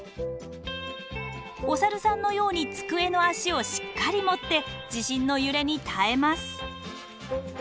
おサルさんのように机の脚をしっかり持って地震の揺れに耐えます。